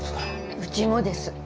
うちもです。